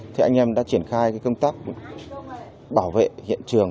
thế anh em đã triển khai công tác bảo vệ hiện trường